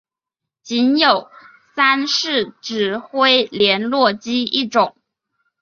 仅有三式指挥连络机一种。